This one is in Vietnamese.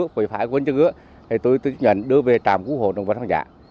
phủy phái của dân cư tôi nhận đưa về trạm cứu hộ động vật quan giả